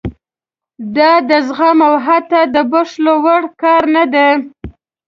دا د زغم او حتی د بښلو وړ کار نه دی.